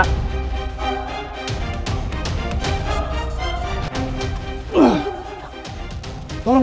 kau bisa lihat